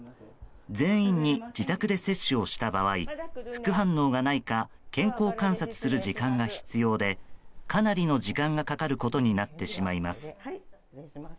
全員に自宅で接種をした場合副反応がないか健康観察する時間が必要でかなりの時間がかかることになってしまいます。